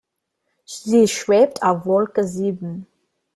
Sie schwebt auf Wolke sieben.